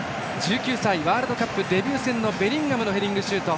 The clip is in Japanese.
１９歳ワールドカップデビュー戦ベリンガムのヘディングシュート。